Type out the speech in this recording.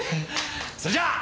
それじゃ！